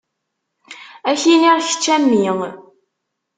Ad k-iniɣ kečč a mmi.